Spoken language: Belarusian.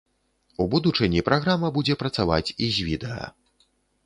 У будучыні праграма будзе працаваць і з відэа.